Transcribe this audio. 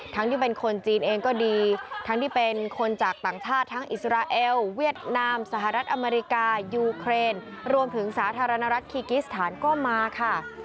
ที่เป็นคนจีนเองก็ดีทั้งที่เป็นคนจากต่างชาติทั้งอิสราเอลเวียดนามสหรัฐอเมริกายูเครนรวมถึงสาธารณรัฐคีกิสถานก็มาค่ะ